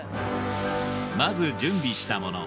まず準備したもの